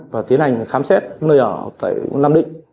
và tiến hành khám xét nơi ở tại nam định